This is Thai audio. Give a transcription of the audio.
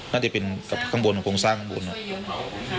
น่าจะเป็นข้างบนของสร้างข้างบน